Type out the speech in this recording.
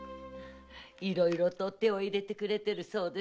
いろいろ手を入れてくれているそうですね。